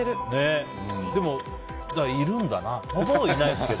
でも、いるんだな。